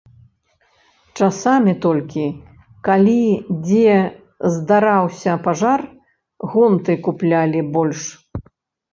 Часамі толькі, калі дзе здараўся пажар, гонты куплялі больш.